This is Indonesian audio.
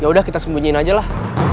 ya udah kita sembunyiin aja lah